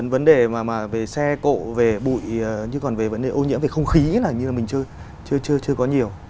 vấn đề mà về xe cộ về bụi nhưng còn về vấn đề ô nhiễm về không khí là như là mình chưa có nhiều